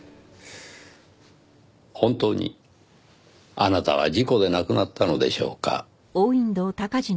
本当にあなたは事故で亡くなったのでしょうか？